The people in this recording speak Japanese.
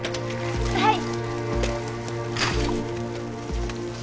はい。